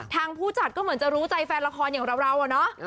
ผู้จัดก็เหมือนจะรู้ใจแฟนละครอย่างเราอะเนาะ